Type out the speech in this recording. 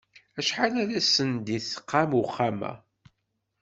Acḥal ara sen-d-isqam uxxam-a?